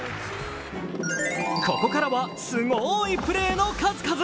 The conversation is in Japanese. ここからはすごーいプレーの数々。